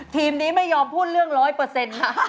ทีมนี้ไม่ยอมพูดเรื่องร้อยเปอร์เซ็นต์ค่ะ